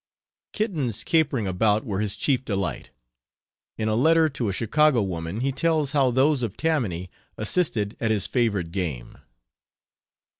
Kittens capering about were his chief delight. In a letter to a Chicago woman he tells how those of Tammany assisted at his favorite game.